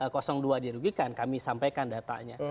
dua dirugikan kami sampaikan datanya